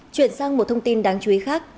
chuyển sang một thông tin đáng chú ý khác